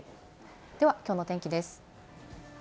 では、きょうの天気です。